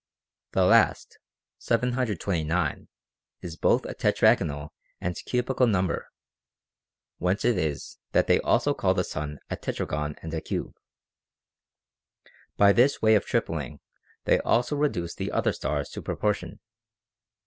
The last (729) is both a tetragonal and cubical number, whence it is, that they also call the sun a tetragon and a cube. By this way of trip ling they also reduce the other stars to proportion.